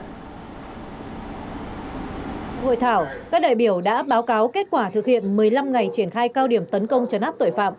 hội thảo các đại biểu đã báo cáo kết quả thực hiện một mươi năm ngày triển khai cao điểm tấn công chấn áp tội phạm